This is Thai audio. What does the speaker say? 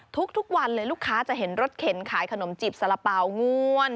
ทุกวันเลยลูกค้าจะเห็นรถเข็นขายขนมจีบสารเป๋าง่วน